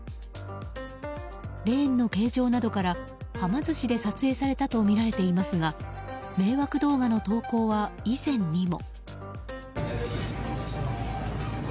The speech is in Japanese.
レーンの形状などからはま寿司で撮影されたとみられていますが迷惑動画の投稿は以前にも。